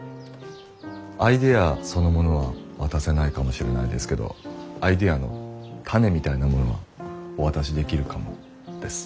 アイデアそのものは渡せないかもしれないですけどアイデアの種みたいなものはお渡しできるかもです。